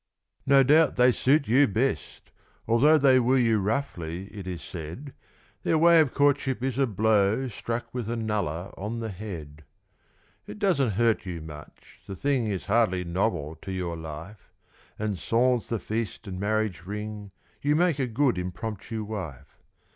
No doubt they suit you best although They woo you roughly it is said: Their way of courtship is a blow Struck with a nullah on the head. It doesn't hurt you much the thing Is hardly novel to your life; And, sans the feast and marriage ring, You make a good impromptu wife.